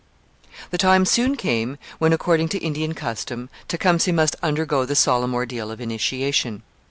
The time soon came when, according to Indian custom, Tecumseh must undergo the solemn ordeal of initiation.